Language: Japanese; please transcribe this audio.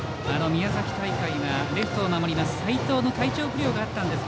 宮崎大会がレフトを守ります